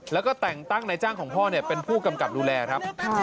แล้วก็แต่งตั้งนายจ้างของพ่อเป็นผู้กำกับดูแลครับ